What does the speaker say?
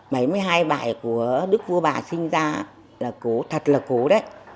bảy mươi hai bài của đức vua bà sinh ra là cổ thật là cổ đấy